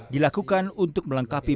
dilakukan untuk mencari penyelidikan